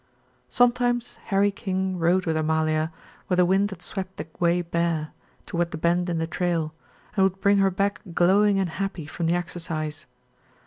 Sometimes Harry King rode with Amalia where the wind had swept the way bare, toward the bend in the trail, and would bring her back glowing and happy from the exercise.